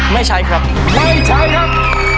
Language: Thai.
ไม่ใช้ครับไม่ใช้ครับ